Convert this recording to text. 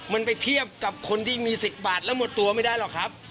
มันไปเทียบกับคนที่มี๑๐บาทแล้วหมดตัวไม่ได้หรอกครับ